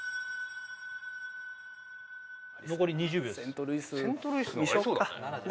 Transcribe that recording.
残り２０秒です